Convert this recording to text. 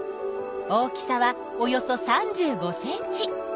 大きさはおよそ３５ｃｍ！